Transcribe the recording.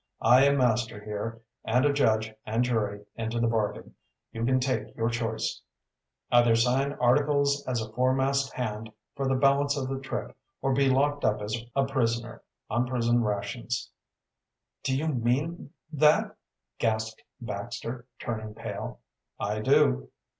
"I am master here, and a judge and jury into the bargain. You can take your choice: Either sign articles as a foremast hand for the balance of the trip, or be locked up as a prisoner, on prison rations." "Do you mean th that?" gasped Baxter, turning pale. "I do."